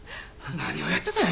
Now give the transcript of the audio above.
何をやってたんや？